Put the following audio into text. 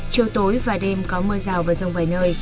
chiều tối và đêm có mưa rào và rông vài nơi